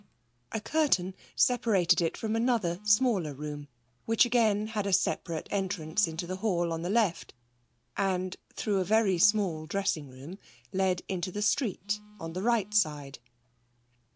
A curtain separated it from another smaller room, which again had a separate entrance into the hall on the left, and, through a very small dressing room, led into the street on the right side.